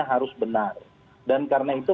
harus benar dan karena itu